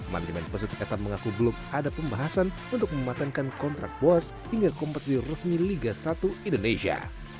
manajemen positif eta mengaku belum ada pembahasan untuk mematangkan kontrak boas hingga kompetisi resmi liga satu indonesia